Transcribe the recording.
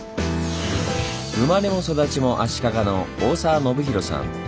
生まれも育ちも足利の大澤伸啓さん。